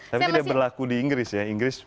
tapi ini sudah berlaku di inggris ya inggris